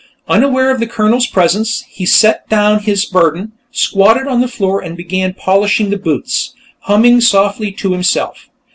Unaware of the Colonel's presence, he set down his burden, squatted on the floor and began polishing the boots, humming softly to himself.